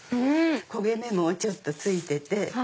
焦げ目もちょっとついてて。